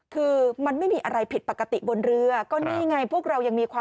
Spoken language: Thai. คือมันไม่มีอะไรผิดปกติบนเรือ